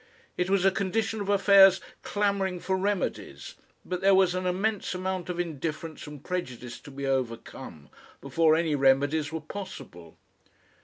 It was a condition of affairs clamouring for remedies, but there was an immense amount of indifference and prejudice to be overcome before any remedies were possible.